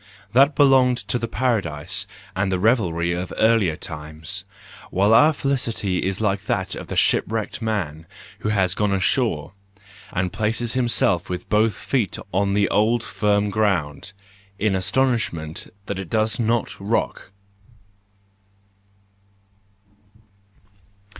—that belonged to the paradise and the revelry of earlier times; while our felicity is like that of the shipwrecked man who has gone ashore, and places himself with both feet on the old, firm ground—in astonishment that it does not rock.